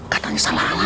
katanya salah alamat